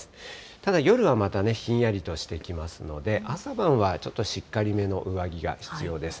ただ、夜はまたね、ひんやりとしてきますので、朝晩はちょっとしっかりめの上着が必要です。